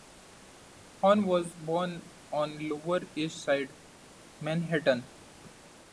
Horn was born on Lower East Side, Manhattan.